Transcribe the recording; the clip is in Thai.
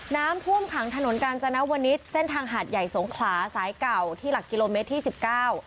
น้ำท่วมขังถนนกาญจนวนิษฐ์เส้นทางหาดใหญ่สงขลาสายเก่าที่หลักกิโลเมตรที่สิบเก้า